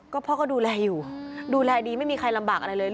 ก็พ่อก็ดูแลอยู่ดูแลดีไม่มีใครลำบากอะไรเลย